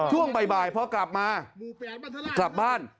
ช่วงบ่ายพอกลับมากลับบ้าน